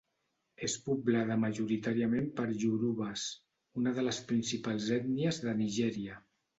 És poblada majoritàriament per iorubes, una de les principals ètnies de Nigèria.